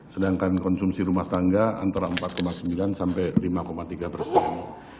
sedangkan konsumsi rumah tangga antara empat sembilan sampai lima tiga persen